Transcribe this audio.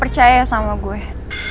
berarti lo sama aja doang kayak yang lain